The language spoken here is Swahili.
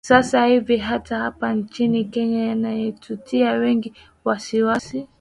sasa hivi hata hapa nchini kenya yanatutia wengi wasiwasi